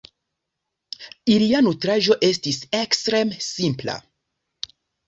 Ilia nutraĵo estis ekstreme simpla.